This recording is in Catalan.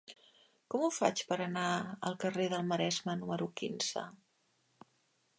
Com ho faig per anar al carrer del Maresme número quinze?